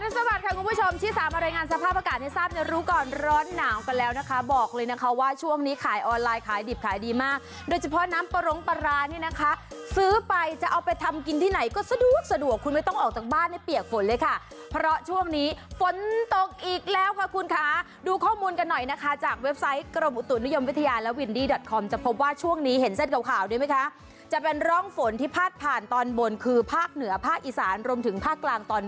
สวัสดีค่ะคุณผู้ชมที่สามอะไรงานสภาพอากาศให้ทราบเนี่ยรู้ก่อนร้อนหนาวกันแล้วนะคะบอกเลยนะคะว่าช่วงนี้ขายออนไลน์ขายดิบขายดีมากโดยเฉพาะน้ำปลาร้องปลาร้านนี่นะคะซื้อไปจะเอาไปทำกินที่ไหนก็สะดวกสะดวกคุณไม่ต้องออกจากบ้านให้เปียกฝนเลยค่ะเพราะช่วงนี้ฝนตกอีกแล้วค่ะคุณค่ะดูข้อมูลกันหน่อยนะคะจากเว็